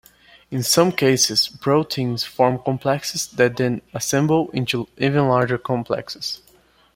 In some cases, proteins form complexes that then assemble into even larger complexes.